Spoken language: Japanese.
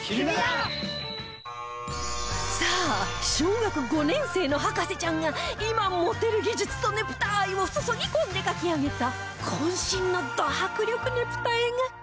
さあ小学５年生の博士ちゃんが今持てる技術とねぷた愛を注ぎ込んで描き上げた渾身のド迫力ねぷた絵がこちら